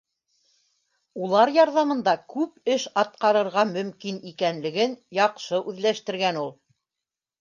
Улар ярҙамында күп эш атҡарырға мөмкин икәнлеген яҡшы үҙләштергән ул